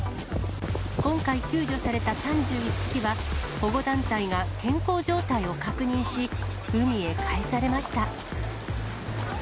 今回救助された３１匹は、保護団体が健康状態を確認し、海へ帰されました。